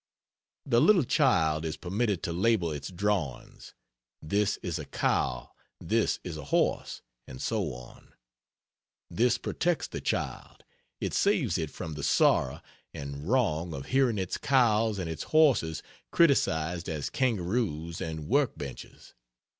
The little child is permitted to label its drawings "This is a cow this is a horse," and so on. This protects the child. It saves it from the sorrow and wrong of hearing its cows and its horses criticized as kangaroos and work benches.